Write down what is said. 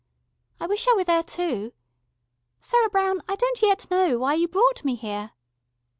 I wish I were there too. Sarah Brown, I don't yet know why you brought me here."